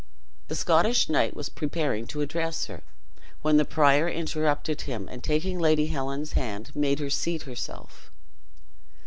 The Scottish knight was preparing to address her, when the prior interrupted him, and taking Lady Helen's hand, made her seat herself.